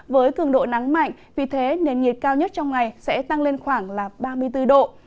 với cường độ nắng mạnh vì thế nền nhiệt cao nhất trong ngày sẽ tăng lên khoảng ba mươi bốn độ